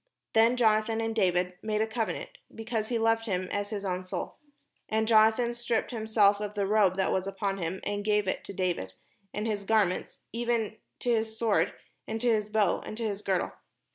Then Jonathan and David made a covenant, because he loved him as his own soul. And Jonathan stripped himself of the robe that was upon him, and gave it to David, and his garments, even to his sword, and to his bow, and to his girdle.